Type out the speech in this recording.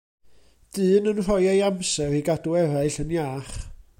Dyn yn rhoi ei amser i gadw eraill yn iach.